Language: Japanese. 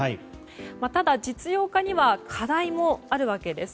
ただ、実用化には課題もあるわけです。